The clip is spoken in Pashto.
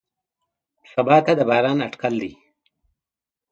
سبا ته د باران اټکل دی.